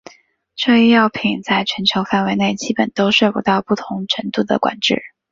这一药品在全球范围内基本都受到不同程度的管制。